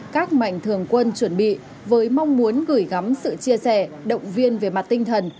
các mạnh thường quân chuẩn bị với mong muốn gửi gắm sự chia sẻ động viên về mặt tinh thần